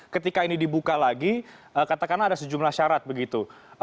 ketika ini dibuka lagi katakanlah ada sejumlah syarat begitu